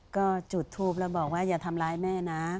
ก็จุดทูปแล้วบอกว่าอย่าทำร้ายแม่นะ